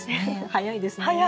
早いですね。